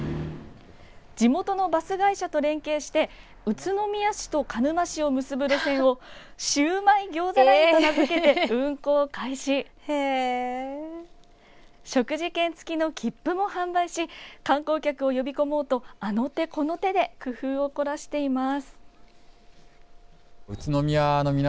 地元のバス会社と連携して宇都宮市と鹿沼市を結ぶ線をシウマイ餃子ラインと名付け運行を開始し食事券つきの切符も販売し観光客を呼び込もうとあの手、この手で工夫を凝らしています。